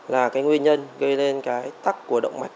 là cái nguyên nhân gây lên cái tắc của động mạch